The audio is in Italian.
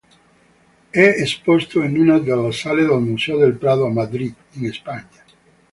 È esposto in una delle sale del Museo del Prado a Madrid, in Spagna.